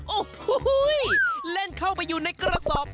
โอ้โหเล่นเข้าไปอยู่ในกระสอบ